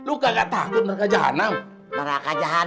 udah deh bah